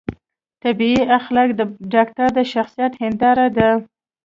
طبي اخلاق د ډاکتر د شخصیت هنداره ده.